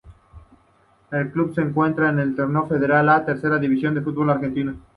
El club se encuentra en el Torneo Federal A, tercera división del fútbol argentino.